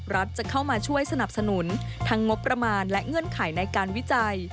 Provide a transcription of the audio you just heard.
จะเข้ามาช่วยสนับสนุนทั้งงบประมาณและเงื่อนไขในการวิจัย